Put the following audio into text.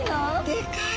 でかい。